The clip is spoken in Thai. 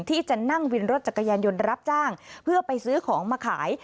ที่จะนั่งวินรถจักรยานยนต์รับจ้างเพื่อไปซื้อของมาขาย